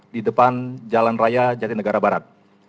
di depan jalan raya jatinegara barat